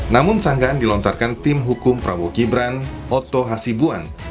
namun sanggahan dilontarkan tim hukum prabowo gibran oto hasibuan